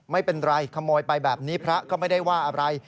ไม่เป็นไรขโมยไปแบบนี้พระก็ไม่ได้ว่าอะไร